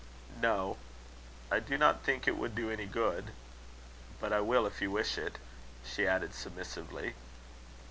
"No. I do not think it would do any good. But I will, if you wish it," she added submissively.